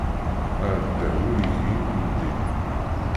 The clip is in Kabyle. Aɛdaw ur igi imendi.